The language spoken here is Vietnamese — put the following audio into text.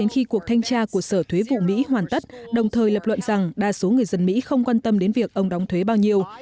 khi cuộc thanh tra của sở thuế vụ mỹ hoàn tất đồng thời lập luận rằng đa số người dân mỹ không quan tâm đến việc ông đóng thuế bao nhiêu